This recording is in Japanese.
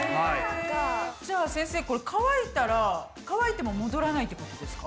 じゃあ先生これ乾いたら乾いても戻らないってことですか？